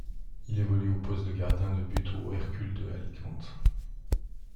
Il évolue au poste de gardien de but au Hércules de Alicante.